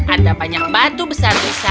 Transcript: ada banyak batu besar di situ